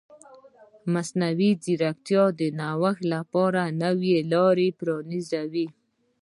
مصنوعي ځیرکتیا د نوښت لپاره نوې لارې پرانیزي.